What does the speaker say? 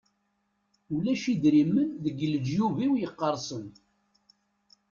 Ulac idrimen deg leǧyub-iw iqersen.